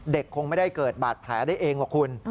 คงไม่ได้เกิดบาดแผลได้เองหรอกคุณ